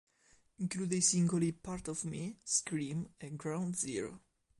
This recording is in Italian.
Include i singoli "Part of Me", "Scream" e "Ground Zero".